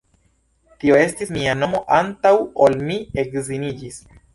Tio estis mia nomo antaŭ ol mi edziniĝis!